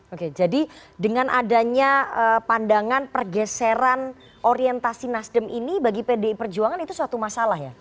oke jadi dengan adanya pandangan pergeseran orientasi nasdem ini bagi pdi perjuangan itu suatu masalah ya